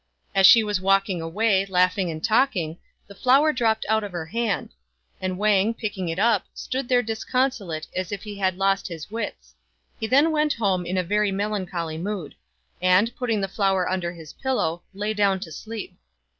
As she was walking away, laughing and talking, the flower dropped out of her hand; and Wang, picking it up, stood there disconsolate as if he had lost his wits. He then went home in a very melancholy mood ; and, putting the flower under his pillow, lay down to sleep.